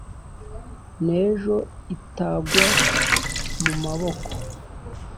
n’ ejo itagwa mu maboko.